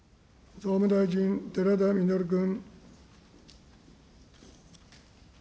総務大臣、寺田稔君。